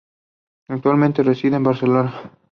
Actualmente reside en Barcelona.